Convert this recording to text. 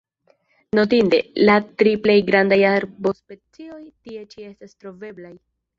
Notinde, la tri plej grandaj arbospecioj tie ĉi estas troveblaj.